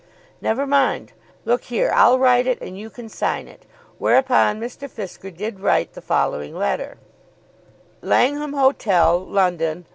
"Never mind. Look here I'll write it, and you can sign it." Whereupon Mr. Fisker did write the following letter: Langham Hotel, London.